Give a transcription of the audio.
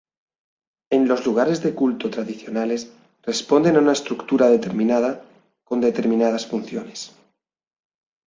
En los lugares de culto tradicionales responden a una estructura determinada con determinadas funciones.